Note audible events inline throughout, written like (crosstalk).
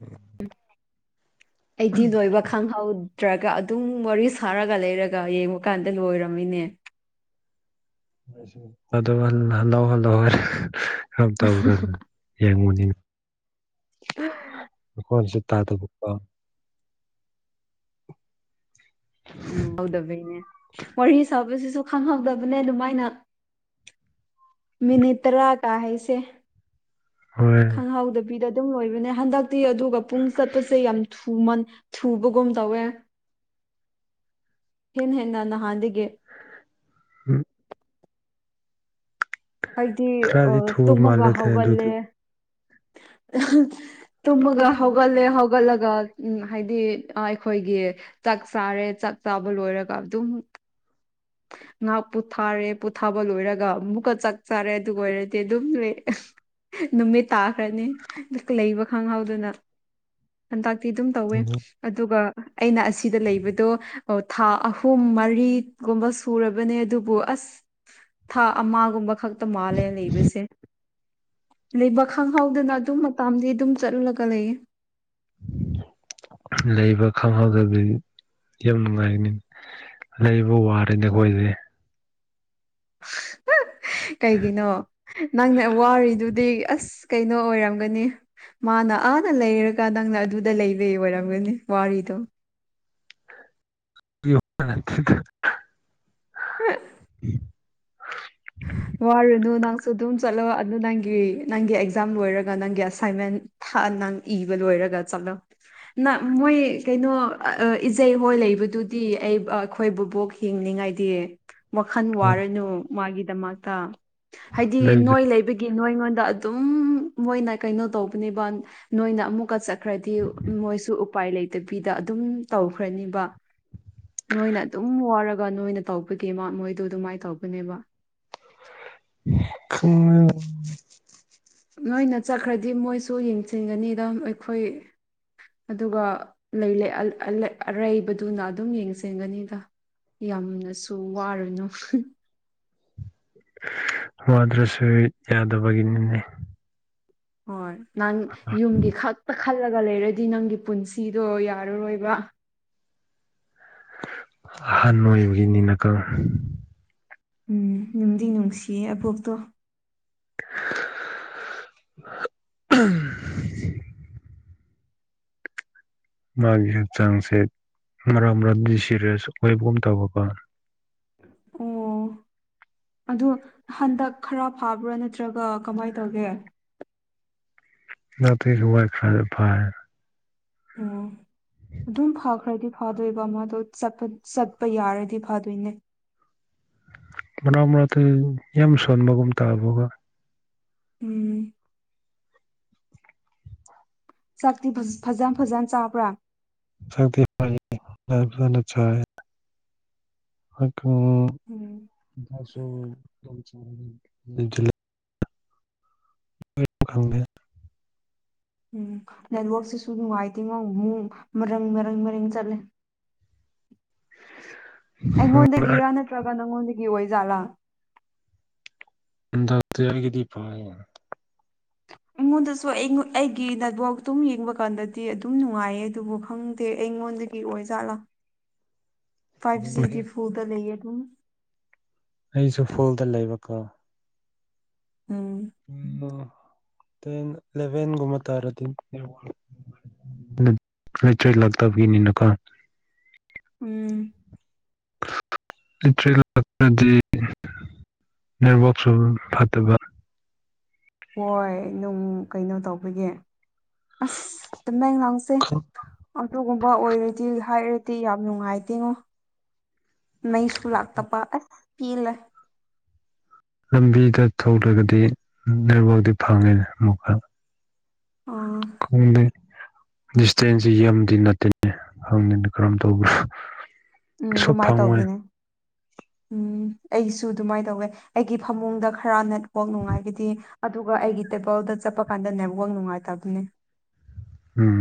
ꯎ ꯑꯩꯇꯤꯟ ꯂꯣꯏꯕ ꯈꯪꯍꯧ ꯅꯠꯇ꯭ꯔꯒ ꯑꯗꯨꯝ ꯋꯥꯔꯤ ꯁꯥꯔꯒ ꯂꯩꯔꯒ ꯌꯦꯡꯕ ꯀꯥꯟꯗ ꯂꯣꯏꯔꯝꯃꯤꯅꯦ ꯑꯗꯨ ꯍꯜꯍꯥꯎ ꯍꯜꯂꯧ ꯀꯔꯝ ꯇꯧꯔꯅ ꯌꯦꯡꯉꯨꯅꯤ ꯎꯝ ꯈꯣꯟꯁꯨ ꯇꯥꯗꯕꯀꯣ ꯎꯝꯍꯧꯗꯕꯩꯅꯦ ꯋꯥꯔꯤ ꯁꯥꯕꯁꯤꯁꯨ ꯈꯪꯍꯧꯗꯕꯅꯦ ꯑꯗꯨꯃꯥꯏꯅ ꯃꯤꯅꯤꯇ꯭ꯔꯥ ꯀꯍꯁꯦ ꯍꯣꯏ ꯍꯧꯗꯕꯤꯗ ꯑꯗꯨꯝ ꯑꯣꯏꯕꯅꯦ ꯍꯟꯗꯛꯇꯤ ꯑꯗꯨꯒ ꯄꯨꯡ ꯆꯠꯄꯁꯦ ꯌꯥꯝ ꯊꯟ ꯊꯨꯕꯒꯨꯝ ꯇꯧꯋꯦ ꯍꯟ ꯍꯦꯟ ꯅꯅ ꯍꯥꯟꯒ ꯎ ꯍꯥꯏꯗꯤ ꯑ ꯈꯔꯗꯤ ꯊꯨꯕ ꯇꯨꯝꯃꯒ ꯃꯥꯜꯂꯦꯗ ꯍꯧꯒꯜꯂꯦ ꯑꯗꯨꯗꯤ ꯇꯨꯝꯃꯒ ꯍꯧꯒꯠꯂꯦ ꯍꯧꯒꯠꯂꯒ ꯎ ꯍꯥꯏꯗꯤ ꯑꯩꯈꯣꯏꯒꯤ ꯆꯥꯛ ꯆꯥꯔꯦ ꯆꯥꯛ ꯆꯥꯕ ꯂꯣꯏꯔꯒ ꯑꯗꯨꯝ ꯉꯥꯏꯍꯥꯛ ꯄ ꯄꯨꯊꯥꯔꯦ ꯄꯣꯠꯊꯥꯕ ꯂꯣꯏꯔꯒ ꯑꯃꯨꯛꯀ ꯆꯥꯛ ꯆꯥꯔꯦ ꯑꯗꯨ ꯑꯣꯏꯔꯗꯤ ꯑꯗꯨꯝ ꯂꯩ ꯅꯨꯃꯤꯠ ꯇꯥꯈ꯭ꯔꯅꯤ ꯂꯩꯕ ꯈꯪꯍꯧꯗꯅ ꯍꯟꯇꯇꯤ ꯑꯗꯨꯝ ꯇꯧꯋꯦ ꯑꯗꯨꯒ ꯑꯩꯅ ꯑꯁꯤꯗ ꯂꯩꯕꯗꯣ ꯊꯥ ꯑꯍꯨꯝ ꯃꯔꯤ ꯒꯨꯝꯕ ꯁꯨꯔꯕꯅꯦ ꯑꯗꯨꯕꯨ ꯑꯁ ꯊꯥ ꯑꯃꯒꯨꯝꯕ ꯈꯛ ꯃꯥ ꯂꯦꯅ ꯂꯩꯕꯁꯦ ꯂꯩꯕꯥꯛ ꯈꯪꯍꯧꯗꯅ ꯑꯗꯨꯝ ꯃꯇꯥꯝꯗꯤ ꯑꯗꯨꯝ ꯆꯠꯂꯨꯔꯒ ꯂꯩꯌꯦ ꯂꯩꯕ ꯈꯪꯍꯧꯗꯕꯗꯤ ꯌꯥꯝ ꯅꯨꯡꯉꯥꯏꯒꯅꯤꯅ ꯂꯩꯕ ꯋꯥꯔꯦ ꯅꯈꯣꯏꯁꯦ ꯀꯩꯒꯤꯅꯣ ꯅꯪꯅ ꯋꯥꯔꯤꯗꯨꯗꯤ ꯑꯁ ꯀꯩꯅꯣ ꯑꯣꯏꯔꯝꯒꯅꯤ ꯃꯥꯅ ꯑꯥꯅ ꯂꯩꯔꯒ ꯅꯪꯅ ꯑꯗꯨꯗ ꯂꯩꯕꯩ ꯑꯣꯏꯔꯝꯒꯅꯤ ꯋꯥꯔꯤꯗꯣ ꯑ ꯍꯥ (unintelligible) ꯋꯥꯔꯨꯅꯨ ꯅꯪꯁꯨ ꯑꯗꯨꯝ ꯆꯠꯂꯣ ꯑꯗꯨ ꯅꯪꯒꯤ ꯅꯪꯒꯤ ꯑꯦꯛꯖꯥꯝ ꯂꯣꯏꯔꯒ ꯅꯪꯒꯤ ꯑꯁꯥꯏꯟꯃꯦꯟ ꯅꯪ ꯏꯕ ꯂꯣꯏꯔꯒ ꯆꯠꯂꯣ ꯅ ꯃꯣꯏ ꯀꯩꯅꯣ ꯏꯖꯩꯍꯣꯏ ꯂꯩꯕꯗꯨꯗꯤ ꯑꯩ ꯑꯩꯈꯣꯏꯕꯨꯕꯣꯛ ꯍꯤꯡꯅꯤꯉꯥꯏꯗꯤ ꯋꯥꯈꯜ ꯋꯥꯔꯅꯨ ꯃꯥꯒꯤꯗꯃꯛꯇ ꯍꯥꯏꯗꯤ ꯂꯩꯗ ꯅꯣꯏ ꯂꯩꯕꯒꯤ ꯅꯣꯏꯉꯣꯟꯗ ꯑꯗꯨꯝ ꯃꯣꯏꯅ ꯀꯩꯅꯣ ꯇꯧꯕꯅꯦꯕ ꯅꯣꯏꯅ ꯑꯃꯨꯛꯀ ꯆ ꯈ꯭ꯔꯗꯤ ꯃꯣꯏꯁꯨ ꯎꯄꯥꯏ ꯂꯩꯇꯕꯤꯗ ꯑꯗꯨꯝ ꯇꯧꯈ꯭ꯔꯅꯦꯕ ꯅꯣꯏꯅ ꯑꯗꯨꯝ ꯋꯥꯔꯒ ꯅꯣꯏꯅ ꯇꯧꯕꯒꯤ ꯃꯥ ꯃꯣꯏꯗꯨ ꯑꯗꯨꯃꯥꯏ ꯇꯧꯕꯅꯦꯕ ꯊꯨꯡꯉꯦ ꯅꯣꯏꯅ ꯆꯠꯈ꯭ꯔꯗꯤ ꯃꯣꯏꯁꯨ ꯌꯦꯡꯁꯤꯟꯒꯅꯤꯗ ꯑꯩꯈꯣꯏ ꯑꯗꯨꯒ ꯂꯩꯂꯩ ꯑꯜ ꯑꯜꯂꯩ ꯑꯔꯩꯕꯗꯨꯅ ꯑꯗꯨꯝ ꯌꯦꯡꯁꯤꯟꯒꯅꯤꯗ ꯌꯥꯝꯅꯁꯨ ꯋꯥꯔꯨꯅꯨ ꯋꯥꯗ꯭ꯔꯁꯨ ꯌꯥꯗꯕꯒꯤꯅꯤꯅꯦ ꯍꯣꯏ ꯅꯪ ꯌꯨꯝꯒꯤ ꯈꯛꯇ ꯈꯜꯂꯒ ꯂꯩꯔꯗꯤ ꯅꯪꯒꯤ ꯄꯨꯟꯁꯤꯗꯣ ꯌꯥꯔꯔꯣꯏꯕ ꯑꯍꯟꯕ ꯑꯣꯏꯕꯒꯤꯅꯤꯅꯥꯀꯣ ꯎꯝ ꯅꯨꯡꯗꯤ ꯅꯨꯡꯁꯤꯌꯦ ꯑꯕꯣꯛꯇꯣ (unintelligible) ꯃꯥꯒꯤ ꯍꯛꯆꯥꯡꯁꯦ ꯃꯔꯛ ꯃꯔꯡ ꯗꯤꯁꯦꯔꯤꯌ꯭ꯁ ꯑꯣꯏꯕꯒꯨꯝ ꯇꯧꯕꯀꯣ ꯑꯣ ꯑꯗꯨ ꯍꯟꯗꯛ ꯈꯔ ꯐꯕ꯭ꯔꯥ ꯅꯠꯇ꯭ꯔꯒ ꯀꯃꯥꯏ‌ ꯇꯧꯒꯦ ꯅꯠꯇꯤꯖꯨ ꯋꯥꯏꯐꯔ ꯐꯥꯔꯦ ꯑꯣ (inaudible) ꯑꯗꯨꯝ ꯐꯈ꯭ꯔꯗꯤ ꯐꯗꯣꯏꯕ ꯃꯥꯗꯣ ꯆꯠꯄ ꯆꯠꯄ ꯌꯥꯔꯗꯤ ꯐꯗꯣꯏꯅꯦ ꯃꯔꯥꯛ ꯃꯔꯛꯇ ꯌꯥꯝ ꯁꯣꯟꯕꯒꯨꯝ ꯇꯧꯕꯒꯣ ꯎꯝ ꯆꯥꯛꯇꯤ ꯐ꯭ꯖ ꯐꯖ ꯐꯖꯅ ꯆꯥꯕ꯭ꯔꯥ ꯆꯥꯗꯦ ꯐꯖ ꯐꯖꯅ ꯆꯥꯔꯦ ꯑꯗꯣ ꯎꯝ (unintelligible) ꯀꯔꯤꯅꯣ ꯈꯪꯗꯦ ꯎꯝ ꯅꯦꯠꯋꯥꯛꯁꯤꯁꯨ ꯅꯨꯡꯉꯥꯏꯇꯦꯉꯣ ꯑꯃꯨꯡ ꯃꯔꯪ ꯃꯔꯪ ꯃꯔꯦꯡ ꯆꯠꯂꯦ (inaudible) ꯑꯩꯉꯣꯟꯗꯒꯤꯔꯥ ꯅꯠꯇ꯭ꯔꯒ ꯅꯪꯉꯣꯟꯗꯒꯤ ꯑꯣꯏꯖꯥꯠꯂꯥ ꯏꯟꯗꯛꯇꯤ ꯑꯩꯒꯤꯗꯤ ꯐꯩꯌꯦ ꯑꯩꯉꯣꯟꯗꯁꯨ ꯑꯩꯉꯣꯟ ꯑꯩꯒꯤ ꯅꯦꯠꯚꯣꯛꯇꯨꯝ ꯌꯦꯡꯕ ꯀꯥꯟꯗꯗꯤ ꯑꯗꯨꯝ ꯅꯨꯡꯉꯥꯏꯌꯦ ꯑꯗꯨꯕꯨ ꯈꯪꯗꯦ ꯑꯩꯉꯣꯟꯗꯒꯤ ꯒꯤ ꯑꯣꯏꯖꯥꯠꯂꯥ (inaudible) ꯐꯥꯏꯚ ꯖꯤ ꯗꯤ ꯐꯨꯜꯗ ꯂꯩꯌꯦ ꯑꯗꯨꯝ ꯑꯩꯁꯨ ꯐꯨꯜꯗ ꯂꯩꯕꯀꯣ ꯎꯝ ꯎꯝꯃ ꯇꯦꯟ ꯏꯂꯚꯦꯟꯒꯨꯝꯃ ꯇꯥꯔꯗꯤ ꯅꯦꯠꯋꯥꯛ ꯂꯟ ꯂꯩꯇ꯭ꯔꯦꯂꯛꯇꯕꯤꯅꯤꯅꯀꯣ ꯎꯝ ꯂꯤꯇ꯭ꯔꯦꯂꯛꯇ꯭ꯔꯗꯤ ꯅꯦꯠꯋꯥꯛꯁꯨ ꯐꯠꯇꯕ ꯍꯣꯏ ꯅꯨꯡ ꯀꯩꯅꯣ ꯇꯧꯕꯒꯤ ꯑꯁ ꯇꯃꯦꯡꯂꯣꯡꯁꯦ ꯑꯗꯨꯒꯨꯝꯕ ꯑꯣꯏꯔꯗꯤ ꯍꯥꯏꯔꯗꯤ ꯌꯥꯝ ꯅꯨꯡꯉꯥꯏꯇꯦꯉꯣ ꯃꯩꯁꯨ ꯂꯥꯛꯇꯕ ꯑꯁ ꯄꯦꯜꯂꯦ ꯂꯝꯕꯤꯗ ꯊꯣꯛꯂꯒꯗꯤ ꯅꯦꯠꯋꯥꯛꯇꯤ ꯐꯪꯉꯦꯅꯦ ꯑꯃꯨꯛꯀ ꯑꯣ ꯍꯣꯡꯗꯦ ꯗꯤꯁꯇꯦꯟꯖꯤ ꯌꯥꯝꯗꯤ ꯅꯠꯇꯦꯅꯦ ꯍꯪꯗꯦꯅꯦ ꯀꯔꯝ ꯇꯧꯕ꯭ꯔ ꯎꯝ ꯑꯗꯨꯃꯥꯏ ꯇꯧꯗꯣꯏꯅꯦ ꯎꯝ ꯑꯩꯁꯨ ꯑꯗꯨꯃꯥꯏ ꯇꯧꯋꯦ ꯑꯩꯒꯤ ꯐꯃꯨꯡꯗ ꯈꯔ ꯅꯦꯠꯋꯥꯛ ꯅꯨꯡꯉꯥꯏꯒꯗꯤ ꯑꯗꯨꯒ ꯑꯩꯒꯤ ꯇꯦꯕꯜꯗ ꯆꯠꯄ ꯀꯥꯟꯗ ꯅꯦꯠꯋꯥꯛ ꯅꯨꯡꯉꯥꯏꯇꯕꯅꯦ ꯎꯝ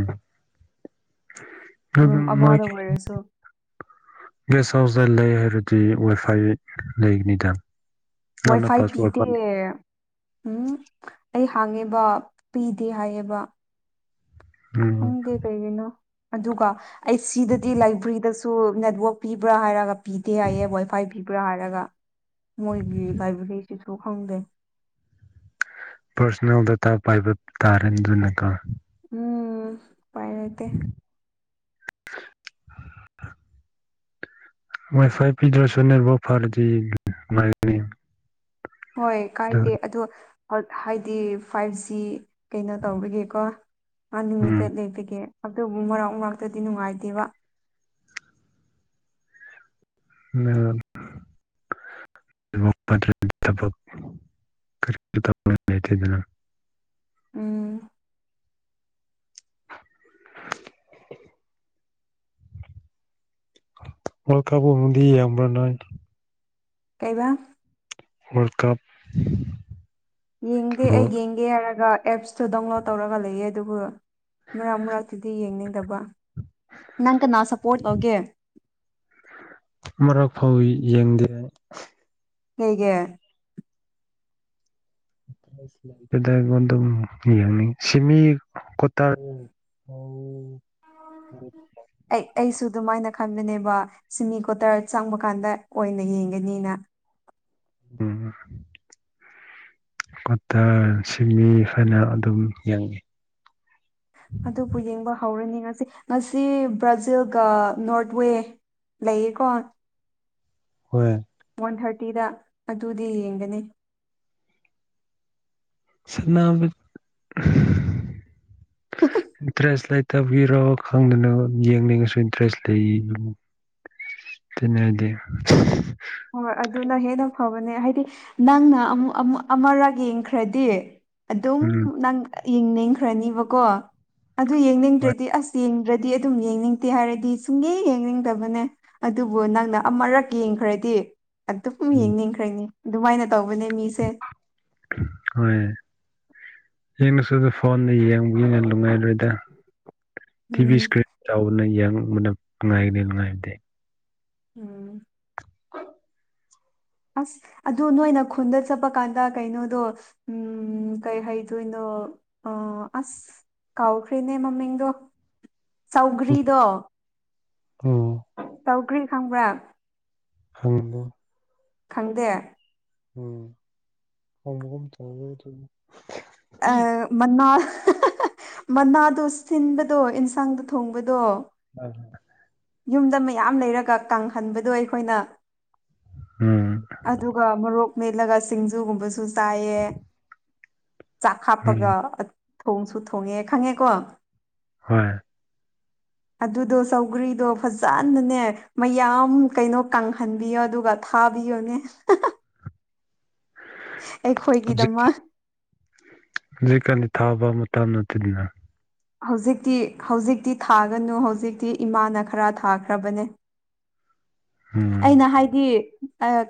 ꯑꯗꯨ ꯔꯨꯝ ꯑꯃꯗ ꯃꯣꯏꯒꯤ ꯑꯣꯏꯔꯁꯨ ꯒꯦꯁ ꯍꯥꯎꯁꯗ ꯂꯩ ꯍꯥꯏꯔꯗꯤ ꯋꯥꯏꯐꯥꯏ ꯂꯩꯒꯅꯤꯗ ꯅꯪꯅ ꯋꯥꯏꯐꯥꯏ ꯄꯤꯗꯦ ꯄꯥꯁꯋꯥꯔꯗ ꯎꯝ ꯑꯩ ꯍꯥꯡꯉꯦꯕ ꯄꯤꯗꯦ ꯍꯥꯏꯌꯦꯕ ꯎꯝ ꯈꯪꯗꯦ ꯀꯩꯒꯤꯅꯣ ꯑꯗꯨꯒ ꯑꯩ ꯁꯤꯗꯗꯤ ꯂꯥꯏꯕꯔꯤꯗꯁꯨ ꯇꯨ ꯅꯦꯠꯋꯥꯛ ꯄꯤꯕ꯭ꯔꯥ ꯍꯥꯏꯔꯒ ꯄꯤꯗꯦ ꯍꯥꯏꯌꯦ ꯋꯥꯏ ꯐꯥꯏ ꯄꯤꯕ꯭ꯔꯥ ꯍꯥꯏꯔꯒ ꯃꯣꯏꯒꯤ ꯂꯥꯏꯕ꯭ꯔꯦꯔꯤꯁꯤꯁꯨ ꯈꯪꯗꯦ ꯄꯥꯔꯁꯣꯅꯦꯜ ꯗꯇꯥ ꯄꯥꯏꯕ ꯇꯥꯔꯅꯤ ꯑꯗꯨꯅꯀꯣ ꯎꯝ ꯎꯄꯥꯏ ꯂꯩꯇꯦ (unintelligible) ꯋꯥꯏ ꯐꯥꯏ ꯄꯤꯗ꯭ꯔꯁꯨ ꯅꯦꯠꯋꯥꯛ ꯐꯔꯗꯤ ꯥꯅꯨꯡꯉꯥꯏꯒꯅꯤ ꯍꯣꯏ ꯀꯥꯏꯗꯦ ꯑꯗꯣ ꯍꯥꯏꯗꯤ ꯐꯥꯏꯚ ꯖꯤ ꯀꯩꯅꯣ ꯇꯧꯕꯒꯤꯀꯣ ꯑꯟ ꯎꯝ ꯂꯤꯃꯤꯇꯦꯠ ꯂꯩꯕꯒꯤ ꯑꯗꯨꯕꯨ ꯃꯔꯛ ꯃꯔꯛꯇꯗꯤ ꯅꯨꯡꯉꯥꯏꯇꯦꯕ ꯎ (unintelligible) ꯀꯗꯅ (unintelligible) ꯎꯝ (unintelligible) ꯋꯥꯜ ꯀꯞ ꯀꯨꯝꯕꯗꯤ ꯌꯦꯡꯕꯔ ꯅꫭꯏ ꯀꯩꯕꯥ ꯋꯥꯜ ꯀꯞ ꯌꯦꯡꯗꯦ ꯑꯩ ꯕꯣꯜ ꯌꯦꯡꯒꯦ ꯍꯥꯏꯔꯒ ꯑꯦꯞꯁꯇꯨ ꯗꯥꯎꯟꯂꯣꯠ ꯇꯧꯔꯒ ꯂꯩꯌꯦ ꯑꯗꯨꯕꯨ ꯃꯔꯛ ꯃꯔꯛꯇꯨꯗꯤ ꯌꯦꯡꯅꯤꯡꯗꯕ ꯅꯪ ꯀꯅꯥ ꯁꯞꯄꯣꯔꯠ ꯇꯧꯒꯦ ꯃꯔꯛ ꯐꯥꯎ ꯌꯦꯡꯗꯦ ꯀꯩꯒꯤ ꯁꯤꯥꯏꯗ ꯑꯩꯉꯣꯟ ꯑꯗꯨꯝ ꯌꯦꯡꯅꯤ ꯁꯤꯃꯤ ꯀꯇꯥꯔ (unintelligible) ꯎꯝ ꯐ (unintelligible) ꯑꯩ ꯑꯩꯁꯨ ꯑꯗꯨꯃꯥꯏꯅ ꯈꯟꯕꯅꯦꯕ ꯁꯤꯃꯤ ꯀꯣꯇꯔ ꯆꯪꯕ ꯀꯥꯟꯗ ꯑꯣꯏꯅ ꯌꯦꯡꯒꯅꯤꯅ ꯎꯝ ꯀꯣꯠꯇꯔ ꯁꯤꯃꯤ ꯐꯥꯏꯅꯦꯜ ꯑꯗꯨꯝ ꯌꯦꯡꯉꯤ ꯑꯗꯨꯕꯨ ꯌꯦꯡꯕ ꯍꯧꯔꯅꯤ ꯉꯁꯤ ꯉꯁꯤ ꯕ꯭ꯔꯖꯤꯜꯒ ꯅꯣꯔꯠ ꯋꯦ ꯂꯩꯌꯦꯀꯣ ꯍꯣꯏ ꯋꯥꯟ ꯊꯥꯔꯇꯤꯗ ꯑꯗꯨꯗꯤ ꯌꯦꯡꯒꯅꯤ ꯁꯥꯟꯅꯕ ꯏꯟꯇꯔꯦꯁ ꯂꯩ ꯇꯕꯒꯤꯔꯣ ꯈꯪꯗꯅ ꯌꯦꯡꯅꯤꯡꯉꯁꯨ ꯏꯟꯇꯔꯦꯁ ꯂꯩ (unintelligible) ꯍꯣꯏ ꯑꯗꯨꯅ ꯍꯦꯟꯅ ꯐꯕꯅꯦ ꯍꯥꯏꯗꯤ ꯅꯪꯅ ꯑꯃꯨ ꯑꯃ ꯑꯃꯔꯛ ꯌꯦꯡꯈ꯭ꯔꯗꯤ ꯑꯗꯨꯝ ꯎꯝ ꯅꯪ ꯌꯦꯡꯅꯤꯡꯈ꯭ꯔꯅꯤꯕꯀꯣ ꯑꯗꯨ ꯍꯣꯏ ꯌꯦꯡꯅꯤꯡꯗ꯭ꯔꯗꯤ ꯑꯁ ꯌꯦꯡꯗ꯭ꯔ ꯗꯤ ꯑꯗꯨꯝ ꯌꯦꯡꯅꯤꯡꯗꯦ ꯍꯥꯏꯔꯗꯤ ꯁꯨꯡꯌꯦꯡ ꯌꯦꯡꯅꯤꯡꯗꯕꯅꯦ ꯑꯗꯨꯕꯨ ꯅꯪꯅ ꯑꯃꯨꯔꯛ ꯌꯦꯡꯈ꯭ꯔꯦ ꯗꯤ ꯑꯗꯨꯝ ꯎꯝ ꯌꯦꯡꯅꯤꯡꯈ꯭ꯔꯅꯤ ꯑꯗꯨꯃꯥꯏꯅ ꯇꯧꯕꯅꯦ ꯃꯤꯁꯦ ꯍꯣꯏ ꯌꯦꯡꯔꯁꯨ ꯑꯗꯨ ꯐꯣꯟꯗ ꯌꯦꯡꯕꯒꯤꯅ ꯅꯨꯡꯉꯥꯏꯔꯣꯏꯗ ꯇꯤꯚꯤ ꯎꯝ ꯏꯁꯀ꯭ꯔꯤꯟ ꯆꯥꯎꯕꯅ ꯌꯦꯡꯕꯅ ꯅꯨꯡꯉꯥꯏꯒꯅꯤ ꯅꯨꯡꯉꯥꯏꯕꯗ ꯎꯝ (unintelligible) ꯑꯁ ꯑꯗꯨ ꯅꯣꯏꯅ ꯈꯨꯟꯗ ꯆꯠꯄ ꯀꯥꯟꯗ ꯀꯩꯅꯣꯗꯣ ꯎꯝ ꯀꯩ ꯍꯥꯏꯗꯣꯏꯅꯣ ꯑꫭ ꯑꯁ ꯀꯥꯎꯈ꯭꯭ꯔꯦꯅꯦ ꯃꯃꯤꯡꯗꯣ ꯁꯧꯒ꯭ꯔꯤꯗꯣ ꯎꯝ ꯇꯧꯒꯔꯤ ꯈꯪꯕ꯭ꯔꯥ ꯈꯪꯗꯦ ꯈꯪꯗꯦ ꯎꯝ ꯈꯪꯕꯗꯨꯝ ꯇꯧꯋꯩ ꯑꯗꯨꯅꯤ ꯑ ꯃꯅꯥ ꯃꯅꯥꯗꯣ ꯁꯤꯟꯕꯗꯣ ꯑꯦꯟꯁꯥꯡꯗ ꯊꯣꯡꯕꯗꯣ ꯍ ꯍꯣꯏ (inaudible) ꯌꯨꯝꯗ ꯃꯌꯥꯝ ꯂꯩꯔꯒ ꯀꯪꯍꯟꯕꯗꯣ ꯑꯩꯈꯣꯏꯅ ꯎꯝ ꯑꯗꯨꯒ ꯃꯣꯔꯣꯛ ꯃꯦꯠꯂꯒ ꯁꯤꯡꯖꯨꯒꯨꯝꯕꯁꯨ ꯆꯥꯏꯌꯦ ꯆꯥꯛ ꯎꯝ ꯍꯥꯞꯄꯒ ꯊꯣꯡꯁꯨ ꯊꯣꯡꯉꯦ ꯈꯪꯉꯦꯀꯣ ꯍꯣꯏ ꯑꯗꯨꯗꯣ ꯁꯧꯒ꯭ꯔꯤ ꯑꯗꯣ ꯐꯖꯅꯅꯦ ꯃꯌꯥꯝ ꯀꯩꯅꯣ ꯀꯪꯍꯟꯕꯤꯌꯣ ꯑꯗꯨꯒ ꯊꯥꯕꯤꯌꯣꯅꯦ ꯑꯩꯈꯣꯏꯒꯤꯗꯃꯛ ꯍꯧꯖꯤꯛ ꯀꯅꯤ ꯊꯥꯕ ꯃꯇꯝ ꯅꯠꯇꯗꯅ ꯍꯧꯖꯤꯛꯇꯤ ꯍꯧꯖꯤꯛꯇꯤ ꯊꯥꯒꯅꯨ ꯍꯧꯖꯤꯛꯇꯤ ꯏꯃꯥꯅ ꯈꯔ ꯊꯥꯈ꯭ꯔꯕꯅꯦ ꯎꯝ ꯑꯩꯅ ꯍꯥꯏꯗꯤ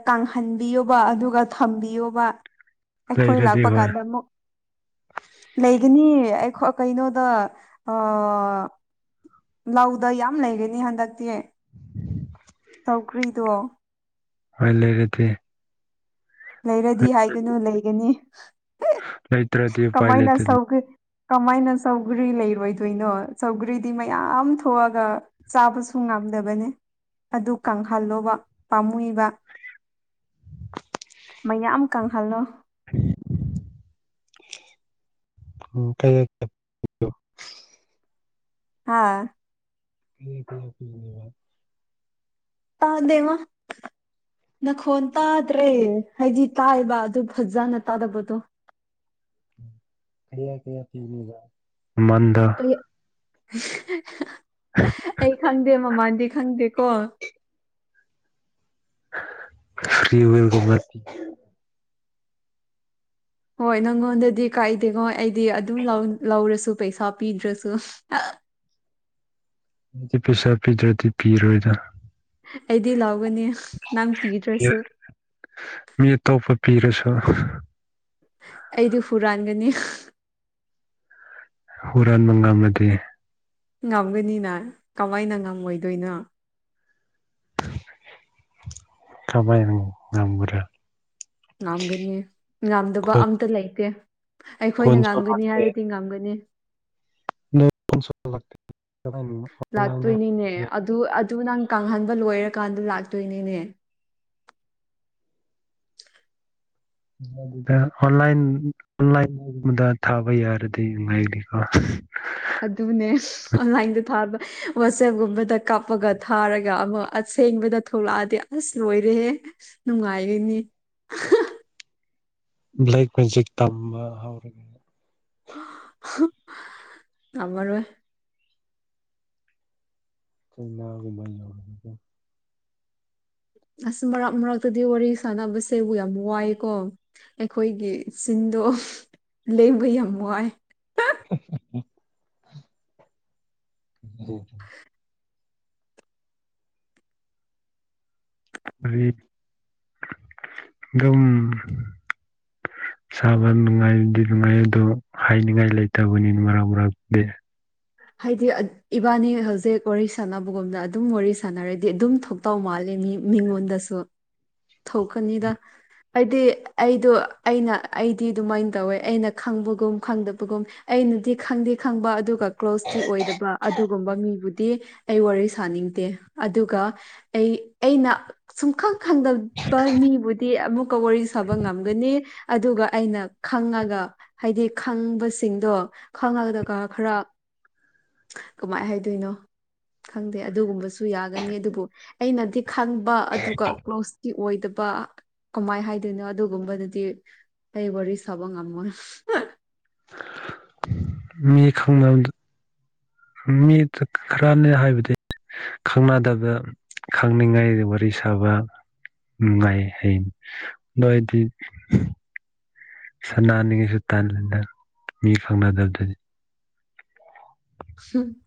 ꯀꯪꯍꯟꯕꯤꯌꯣꯕ ꯑꯗꯨꯒ ꯊꯝꯕꯤꯌꯣꯕ ꯑꯩꯈꯣꯏ ꯂꯩꯔꯗꯤ ꯂꯥꯛꯄ ꯍꯣꯏ ꯀꯥꯟꯗ ꯑꯃꯨꯛ ꯂꯩꯒꯅꯤ ꯑꯩꯈꯣꯏ ꯀꯩꯅꯣꯗ ꯑ ꯂꯧꯗ ꯌꯥꯝ ꯂꯩꯒꯅꯤ ꯍꯟꯗꯛꯇꯤ ꯆꯧꯀ꯭ꯔꯤꯗꯣ ꯍꯣꯢ ꯂꯩꯔꯗꯤ ꯂꯩꯔꯗꯤ ꯍꯥꯏꯒꯅꯨ ꯂꯩꯒꯅꯤ ꯂꯩꯇ꯭ꯔꯗꯤ ꯎꯄꯥꯏ ꯀꯃꯥꯏꯅ ꯂꯩꯇꯦ ꯁꯧꯀ꯭ꯔꯤ ꯀꯃꯥꯏꯅ ꯁꯧꯒ꯭ꯔꯤ ꯂꯩꯔꯣꯏꯗꯣꯏꯅꯣ ꯁꯧꯒꯔꯤꯗꯤ ꯃꯌꯥꯝ ꯊꯣꯛꯑꯒ ꯆꯥꯕꯁꯨ ꯉꯝꯗꯕꯅꯤ ꯑꯗꯨ ꯀꯪꯍꯜꯂꯣꯕ ꯄꯥꯝꯃꯨꯏꯕ ꯃꯌꯥꯝ ꯀꯪꯍꯜꯂꯣ ꯎ ꯀꯩ (inaudible) ꯍꯥꯥ ꯀ ꯀ ꯐꯅꯦꯕ (inaudible) ꯇꯥꯟꯗꯦ ꯋꯥ ꯅꯈꯣꯟ ꯇꯗ꯭ꯔꯦ ꯍꯥꯏꯗꯤ ꯇꯥꯏꯕ ꯑꯗꯨ ꯐꯖꯅ ꯇꯥꯗꯕꯗꯣ ꯀꯌꯥ ꯀꯌꯥ ꯄꯤꯔꯤꯕ ꯃꯃꯟꯗꯣ ꯑꯩ ꯈꯪꯗꯦ ꯃꯃꯟꯗꯤ ꯈꯪꯗꯦꯀꯣ ꯐ꯭ꯔꯤ ꯑꯣꯏꯌꯦꯔꯒꯨꯝꯃ ꯍꯣꯏ ꯅꯪꯉꯣꯟꯗꯗꯤ ꯀꯥꯏꯏꯗꯦꯉꯣ ꯑꯩꯗꯤ ꯑꯗꯨꯝ ꯂꯧꯔꯁꯨ ꯄꯩꯁꯥ ꯄꯤꯗ꯭ꯔꯁꯨ ꯗꯤ ꯄꯩꯁꯥ ꯄꯤꯗ꯭ꯔꯗꯤ ꯄꯤꯔꯣꯏꯗ ꯑꯩꯗꯤ ꯂꯥꯎꯒꯅꯤ ꯅꯪ ꯄꯤꯗ꯭ꯔꯁꯨ ꯃꯤ ꯑꯇꯣꯞꯄ ꯄꯤꯔꯁꯨ ꯑꯩꯗꯤ ꯍꯨꯔꯥꯟꯒꯅꯤ ꯍꯨꯔꯥꯥꯟ ꯉꯝꯃꯗꯤ ꯉꯝꯒꯅꯤꯅ ꯀꯃꯥꯏꯅ ꯉꯝꯃꯣꯏꯗꯣꯏꯅꯣ (inaudible) ꯀꯃꯥꯏ ꯉꯝꯒꯗ꯭ꯔꯥ ꯉꯝꯒꯅꯤ ꯉꯝꯗꯕ ꯈꯨꯠ ꯑꯝꯇ ꯂꯩꯇꯦ ꯑꯩꯈꯣꯏꯅ ꯈꯨꯟꯁꯨ ꯉꯝꯒꯅꯤ ꯂꯥꯛꯇꯦ ꯍꯥꯏꯔꯗꯤ ꯉꯝꯒꯅꯤ (unintelligible) ꯀꯃꯥꯏꯅ ꯂꯥꯛꯇꯣꯏꯅꯤꯅꯦ ꯑꯣꯟꯂꯥꯏꯟꯗ ꯑꯗꯨ ꯑꯗꯨ ꯅꯪ ꯀꯪꯍꯟꯕ ꯂꯣꯏꯔꯀꯥꯟꯗ ꯂꯥꯛꯇꯣꯏꯅꯤꯅꯦ ꯑꯣꯟꯂꯥꯏꯟ ꯑꯣꯟꯂꯥꯏꯟ ꯒꯨꯝꯕꯗ ꯊꯥꯕ ꯌꯥꯔꯗꯤ ꯅꯨꯉꯥꯏꯅꯤꯀꯣ ꯑꯗꯨꯅꯦ ꯑꯣꯟꯂꯥꯏꯟꯗ ꯊꯥꯕ ꯋꯥꯆꯦꯞꯒꯨꯝꯕꯗ ꯀꯥꯞꯄꯒ ꯊꯥꯔꯒ ꯑꯃ ꯑꯁꯦꯡꯕꯗ ꯊꯣꯛꯂꯛꯑꯗꯤ ꯑꯁ ꯂꯣꯏꯔꯦꯍꯦ ꯅꯨꯡꯉꯥꯏꯔꯤꯅꯤ ꯕ꯭ꯂꯦꯛ ꯃꯦꯖꯤꯛ ꯇꯝꯕ ꯍꯧꯔꯒ ꯉꯝꯃꯔꯣꯏ ꯆꯅꯥꯒꯤ ꯃꯅꯤꯔꯖꯟ ꯑꯁ ꯃꯔꯛ ꯃꯔꯛꯇꯗꯤ ꯋꯥꯔꯤ ꯁꯥꯟꯅꯕꯁꯦꯕꯨ ꯌꯥꯝ ꯋꯥꯏ ꯀꯣ ꯑꯩꯈꯣꯏꯒꯤ ꯆꯤꯟꯗꯣ ꯂꯦꯡꯕ ꯌꯥꯝ ꯋꯥꯏ (inaudible) ꯗꯨꯝ ꯁꯕ ꯅꯨꯡꯉꯥꯏꯗꯤ ꯅꯨꯡꯉꯥꯏ ꯑꯗꯣ ꯍꯥꯏꯅꯤꯡꯉꯥꯏ ꯂꯩꯇꯕꯅꯤꯅ ꯃꯔꯥꯛ ꯃꯔꯥꯛꯗꯤ ꯍꯥꯏꯗꯤ ꯏꯕꯥꯅꯤ ꯍꯧꯖꯤꯛ ꯋꯥꯔꯤ ꯁꯥꯟꯅꯕꯒꯨꯝꯅ ꯑꯗꯨꯝ ꯋꯥꯔꯤ ꯁꯥꯟꯅꯔꯗꯤ ꯑꯗꯨꯝ ꯊ ꯇꯧ ꯃꯥꯜꯂꯤ ꯃꯤ ꯃꯤꯉꯣꯟꯗꯁꯨ ꯊꯣꯛꯀꯅꯤꯗ ꯍꯥꯏꯗꯤ ꯑꯩꯗꯣ ꯑꯩꯅ ꯑꯩꯗꯤ ꯑꯗꯨꯃꯥꯏꯅ ꯇꯧꯋꯦ ꯑꯩꯅ ꯈꯪꯕꯒꯨꯝ ꯈꯪꯗꯕꯒꯨꯝ ꯑꯩꯅꯗꯤ ꯈꯪꯗꯤ ꯈꯪꯕ ꯑꯗꯨꯒ ꯀ꯭ꯂꯣꯁꯇꯤ ꯑꯣꯏꯗꯕ ꯑꯗꯨꯒꯨꯝꯕ ꯃꯤꯕꯨꯗꯤ ꯑꯩ ꯋꯥꯔꯤ ꯁꯥꯅꯤꯡꯗꯦ ꯑꯗꯨꯒ ꯑꯩ ꯑꯩꯅ ꯁꯨꯝꯈꯪ ꯈꯟꯗꯕ ꯃꯤꯕꯨꯗꯤ ꯑꯃꯨꯛꯀ ꯋꯥꯔꯤ ꯁꯕ ꯉꯝꯒꯅꯤ ꯑꯗꯨꯒ ꯑꯩꯅ ꯈꯪꯉꯒ ꯍꯥꯏꯗꯤ ꯈꯪꯕꯁꯤꯡꯗꯣ ꯈꯪꯉꯗꯒ ꯈꯔ ꯀꯃꯥꯏ ꯍꯥꯏꯗꯣꯏꯅꯣ ꯈꯪꯗꯦ ꯑꯗꯨꯒꯨꯝꯕꯁꯨ ꯌꯥꯒꯅꯤ ꯑꯗꯨꯕꯨ ꯑꯩꯅꯗꯤ ꯈꯪꯕ ꯑꯗꯨꯒ ꯀ꯭ꯂꯣꯁꯀꯤ ꯑꯣꯏꯗꯕ ꯀꯃꯥꯏ ꯍꯥꯏꯗꯣꯏꯅꯣ ꯑꯗꯨꯒꯨꯝꯕꯗꯨꯗꯤ ꯑꯩ ꯋꯥꯔꯤ ꯁꯥꯕ ꯉꯝꯃꯣꯏ ꯃꯤ ꯈꯪꯅꯕ ꯃꯤ ꯈꯔꯅꯦ ꯍꯥꯏꯕꯗꯤ ꯈꯪꯅꯗꯕ ꯈꯪꯅꯤꯡꯉꯥꯏ ꯋꯥꯔꯤ ꯁꯥꯕ ꯎ ꯉꯌꯦ ꯍ ꯏꯗꯤ ꯁꯥꯟꯅꯅꯤꯡꯉꯩꯁꯨ ꯇꯜꯂꯅ ꯃꯤ ꯐꯪꯅꯗꯕꯗꯨꯅꯤ ꯎꯝ